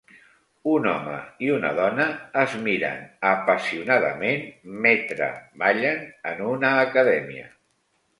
Un home i una dona es miren apassionadament metre ballen en una acadèmia.